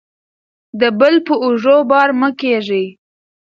د بل په اوږو بار مه کیږئ.